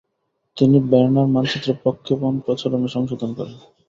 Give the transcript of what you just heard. তিনি ভের্নার মানচিত্র প্রক্ষেপণ প্রচলন ও সংশোধন করেন।